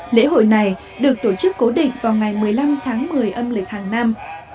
lễ hội này được tổ chức cố định vào ngày một mươi năm tháng một mươi âm lịch hàng năm